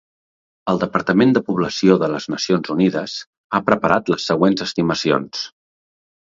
El Departament de Població de les Nacions Unides ha preparat les següents estimacions.